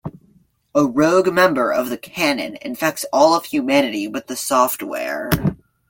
A rogue member of the Canon infects all of humanity with the software.